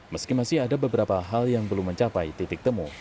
meski masih ada beberapa hal yang belum mencapai titik temu